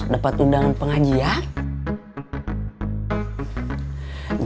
dapat undangan pengajian